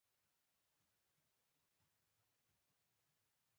اور د مینی بل سو